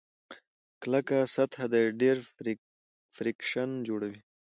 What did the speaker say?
کلکه سطحه ډېر فریکشن جوړوي.